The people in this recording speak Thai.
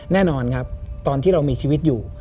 แน่นอนครับตอนที่เรามีชีวิตอยู่